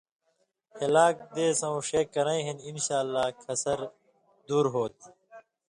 ہِلاک دیسے ݜے کرَیں ہِن انشاءاللہ کھسر دُور ہوتھی۔